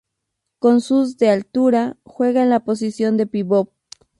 Con sus de altura, juega en la posición de pívot.